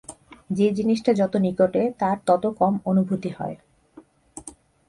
যে জিনিষটা যত নিকটে, তার তত কম অনুভূতি হয়।